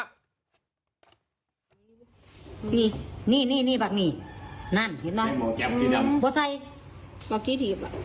นี่นี่นี่นี่บักนี่นั่นเห็นไหมมองแก้มสีดำโบไซบักกี้ถีบ